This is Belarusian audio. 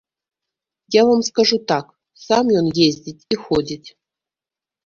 Я вам скажу так, сам ён ездзіць і ходзіць.